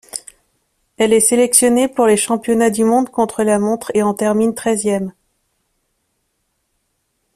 Elle est sélectionnées pour les championnats du monde contre-la-montre et en termine treizième.